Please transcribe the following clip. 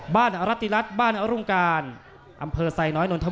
บ้านรัติรัติบริษัทมาแชร์ประเทศไทยครับรองเท้ามาแชร์อิสระภาพของนักเดินทาง